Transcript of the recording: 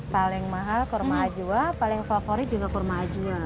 paling mahal kurma acwa paling favorit juga kurma acwa